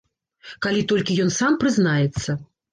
Калі толькі ён сам прызнаецца.